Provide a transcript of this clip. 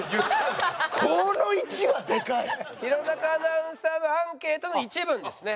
弘中アナウンサーのアンケートの一文ですね。